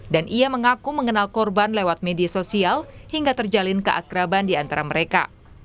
dan ia mengaku mengenal korban lewat media sosial hingga terjalin keakraban di antara mereka